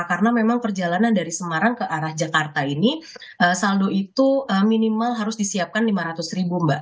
karena memang perjalanan dari semarang ke arah jakarta ini saldo itu minimal harus disiapkan lima ratus ribu mbak